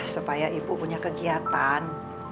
supaya ibu punya kegiatan